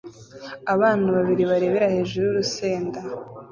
Abana babiri bareba hejuru y'urusenda